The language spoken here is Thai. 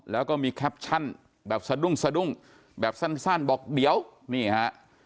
แล้วก็มีแคปชั่นแบบสะดุ้งสะดุ้งแบบสั้นบอกเดี๋ยวนี่ฮะ